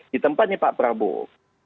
di tempatnya pak prabowo